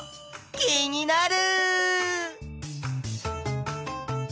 気になる。